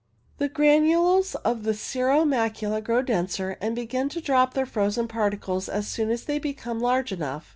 The granules of the cirro macula grow denser, and begin to drop their frozen particles as soon as they become large enough.